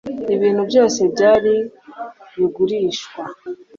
ibintu byose byari bigurishwa